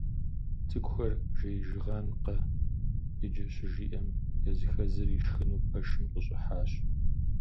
ЦӀыкӀухэр жеижагъэнкъэ иджы щыжиӀэм, языхэзыр ишхыну пэшым къыщӀыхьащ.